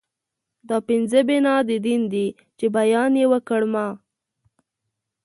دا پنځه بنا د دين دي چې بیان يې وکړ ما